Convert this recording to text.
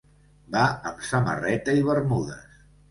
Va amb samarreta i bermudes.